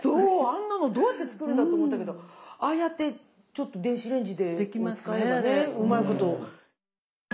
あんなのどうやって作るんだ？と思ったけどああやってちょっと電子レンジを使えばねうまいこと。